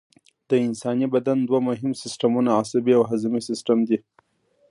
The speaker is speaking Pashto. د انساني بدن دوه مهم سیستمونه عصبي او هضمي سیستم دي